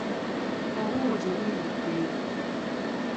Obuugi buyidde.